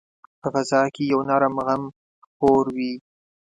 په فضا کې یو نرم غم خپور وي